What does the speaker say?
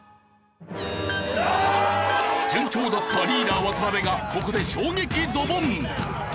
順調だったリーダー渡辺がここで衝撃ドボン！